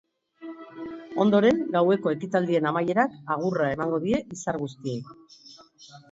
Ondoren, gaueko ekitaldien amaierak agurra emango die izar guztiei.